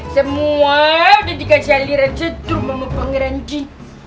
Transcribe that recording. semua udah dikasih aliran setrum sama pangeran jin